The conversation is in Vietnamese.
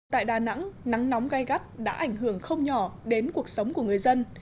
tại đà nẵng nắng nóng gai gắt đã ảnh hưởng không nhỏ đến cuộc sống của người dân